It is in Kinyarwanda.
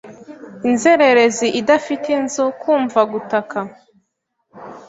inzererezi idafite inzu Kumva gutaka